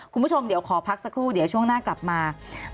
คุณผู้ชมเดี๋ยวขอพักสักครู่เดี๋ยวช่วงหน้ากลับมา